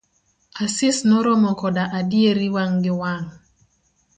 Asis noromo koda adieri wang' gi wang'.